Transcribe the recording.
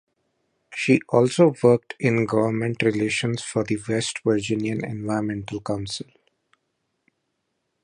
She also worked in government relations for the West Virginia Environmental Council.